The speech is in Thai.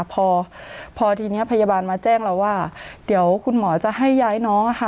พอพอทีนี้พยาบาลมาแจ้งเราว่าเดี๋ยวคุณหมอจะให้ย้ายน้องค่ะ